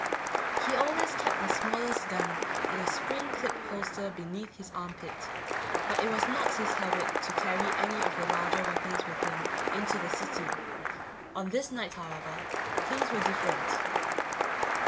He always kept the smallest gun in a spring clip holster beneath his armpit, but it was not his habit to carry any of the larger weapons with him into the city. On this night, however, things were different.